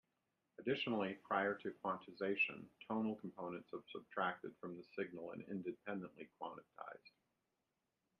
Additionally, prior to quantization, tonal components are subtracted from the signal and independently quantized.